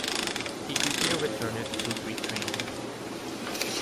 He quickly returned to Britain.